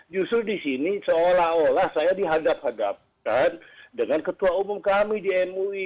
justru di sini seolah olah saya dihadap hadapkan dengan ketua umum kami di mui